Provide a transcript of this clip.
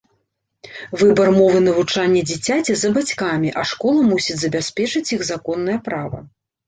Выбар мовы навучання дзіцяці за бацькамі, а школа мусіць забяспечыць іх законнае права.